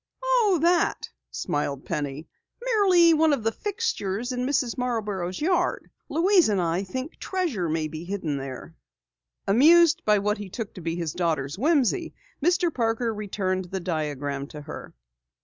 "Oh that?" smiled Penny. "Merely one of the fixtures in Mrs. Marborough's yard. Louise and I think treasure may be hidden there." Amused by what he took to be his daughter's whimsy, Mr. Parker returned the diagram to her.